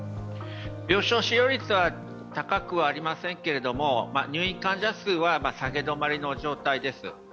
病床使用率は高くはありませんけど入院患者数は下げ止まりの状況です。